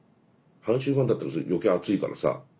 阪神ファンだったら余計熱いからさ。